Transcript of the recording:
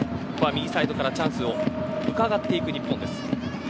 右サイドからチャンスをうかがっていく日本です。